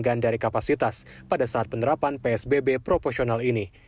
bagian dari kapasitas pada saat penerapan psbb proporsional ini